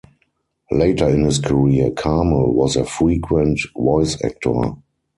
Later in his career, Carmel was a frequent voice actor.